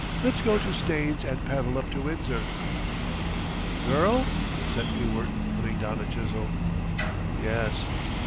Let's go to Staines and paddle up to Windsor." "Girl?" said Ewart, putting down a chisel. "Yes."